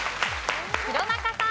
弘中さん。